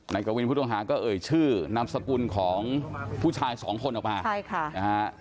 กวินผู้ต้องหาก็เอ่ยชื่อนามสกุลของผู้ชายสองคนออกมาใช่ค่ะนะฮะ